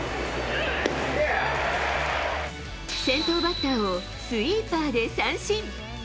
先頭バッターをスイーパーで三振。